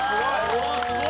うわすごい！